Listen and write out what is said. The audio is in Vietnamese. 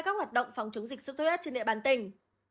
các hoạt động phòng chống dịch sốt thu thuyết trên địa bàn tỉnh